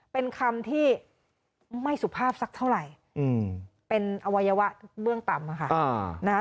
เป็นคำที่ไม่สุภาพสักเท่าไหร่เป็นอวัยวะเบื้องต่ำค่ะนะคะ